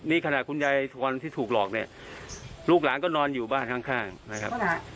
นี่ขณะคุณยายทวรที่ถูกหลอกเนี่ยลูกหลานก็นอนอยู่บ้านข้างนะครับ